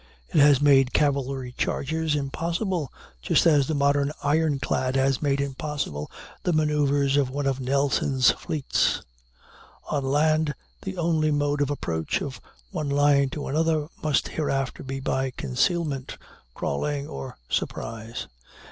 It has made cavalry charges impossible, just as the modern ironclad has made impossible the manœuvers of one of Nelson's fleets. On land, the only mode of approach of one line to another must hereafter be by concealment, crawling, or surprise.